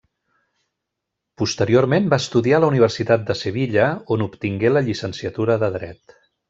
Posteriorment va estudiar a la Universitat de Sevilla, on obtingué la llicenciatura de dret.